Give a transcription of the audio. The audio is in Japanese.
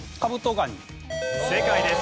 正解です。